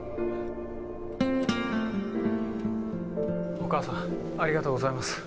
お義母さんありがとうございます。